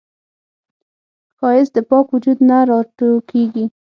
ښایست د پاک وجود نه راټوکېږي